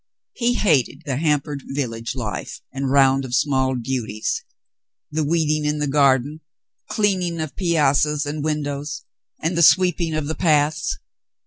He hated the hampered village life, and round of small duties — the weeding in the garden, cleaning of piazzas and windows, and the sweeping of the paths.